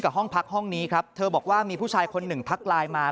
ห้องพักห้องนี้ครับเธอบอกว่ามีผู้ชายคนหนึ่งทักไลน์มา